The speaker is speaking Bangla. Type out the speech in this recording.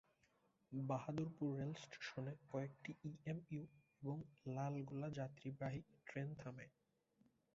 বাহাদুরপুর রেলস্টেশনে কয়েকটি ইএমইউ এবং লালগোলা যাত্রীবাহী ট্রেন থামে।